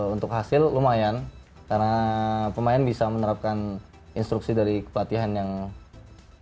untuk hasil lumayan karena pemain bisa menerapkan instruksi dari pelatihan yang lebih